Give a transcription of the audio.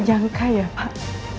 jangka ya pak